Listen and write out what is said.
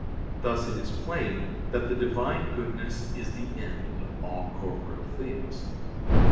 Thus it is plain that the Divine goodness is the end of all corporeal things.